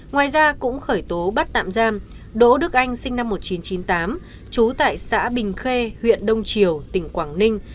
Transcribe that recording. ngoài ra cũng khởi tố bắt tạm giam đỗ đức anh sinh năm một nghìn chín trăm chín mươi tám trú tại xã bình khê huyện đông triều tỉnh quảng ninh